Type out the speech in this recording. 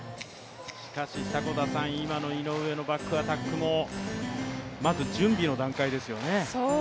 しかし今の井上のバックアタックも、まず準備の段階ですよね。